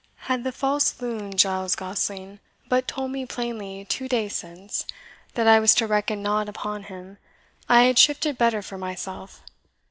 "Had the false loon, Giles Gosling, but told me plainly two days since that I was to reckon nought upon him, I had shifted better for myself.